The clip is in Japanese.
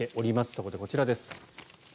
そこでこちらです。